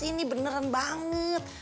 ini beneran banget